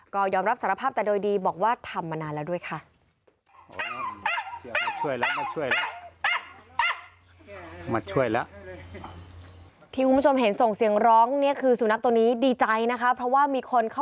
ก็ยอมรับสารภาพแต่โดยดีบอกว่าทำมานานแล้วด้วยค่ะ